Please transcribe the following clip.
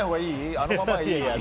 あのままがいい？